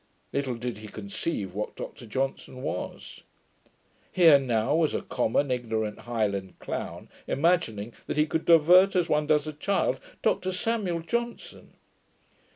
Little did he conceive what Doctor Johnson was. Here now was a common ignorant Highland clown imagining that he could divert, as one does a child, DR SAMUEL JOHNSON!